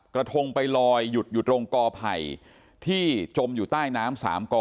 กระทงไปลอยหยุดอยู่ตรงกอไผ่ที่จมอยู่ใต้น้ำ๓กอ